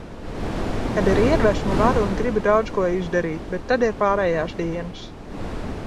Kad ir iedvesma, varu un gribu daudz ko izdarīt, bet tad ir pārējās dienas.